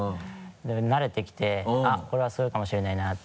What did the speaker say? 慣れてきて「あっこれはすごいかもしれないな」って。